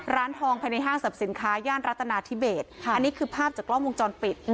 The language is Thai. ร้านทองภายในห้างสรรพสินค้าย่านรัฐนาธิเบสอันนี้คือภาพจากกล้องวงจรปิด